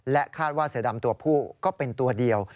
คาดว่าเสือดำตัวผู้ก็เป็นตัวเดียว